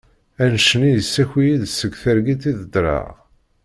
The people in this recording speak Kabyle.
Anect-nni yessaki-yi-d seg targit i d-ddreɣ.